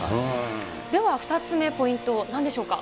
では２つ目ポイント、なんでしょうか。